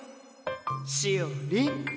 しおりん！